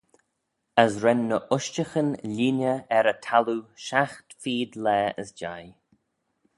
As ren ny ushtaghyn lhieeney er y thalloo shiaght feed laa as jeih.